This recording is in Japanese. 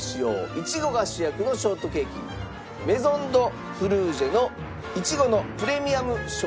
イチゴが主役のショートケーキメゾン・ド・フルージュの苺のプレミアムショートケーキか。